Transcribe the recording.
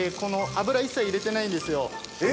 油一切入れてないんですよ。